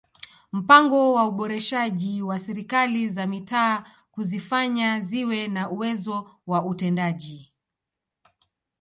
Mpango wa uboreshaji wa Serikali za Mitaa kuzifanya ziwe na uwezo wa utendaji